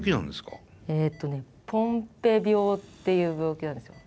えっとねポンぺ病っていう病気なんですよ。